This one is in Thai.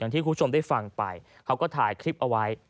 ที่คุณผู้ชมได้ฟังไปเขาก็ถ่ายคลิปเอาไว้